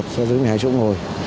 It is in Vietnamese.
xe dưới một mươi hai chỗ ngồi